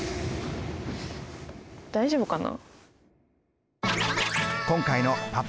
大丈夫かな。